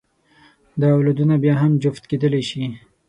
دا اولادونه بیا هم جفت کېدلی شي.